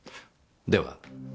では。